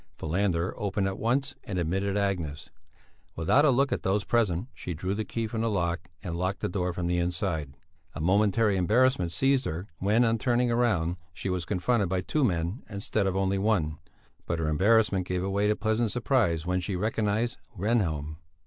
Falander opened at once and admitted Agnes. Without a look at those present she drew the key from the lock, and locked the door from the inside. A momentary embarrassment seized her when, on turning round, she was confronted by two men instead of only one, but her embarrassment gave way to pleasant surprise when she recognized Rehnhjelm.